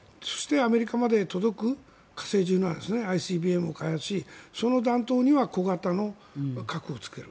アメリカまで届く火星１７ですねＩＣＢＭを開発しその弾頭には小型の核をつける。